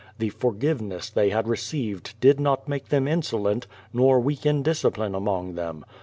The forgiveness they had received did not make them insolent, nor weaken discipline among them.